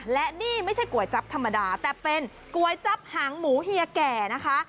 และนี่ไม่ใช่ก๋วยจั๊บธรรมดาแต่เป็นก๋วยจับหางหมูเฮียแก่นะคะ